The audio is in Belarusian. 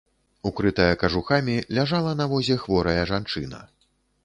Укрытая кажухамі, ляжала на возе хворая жанчына.